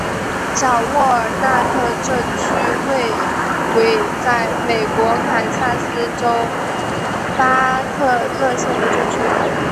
小沃尔纳特镇区为位在美国堪萨斯州巴特勒县的镇区。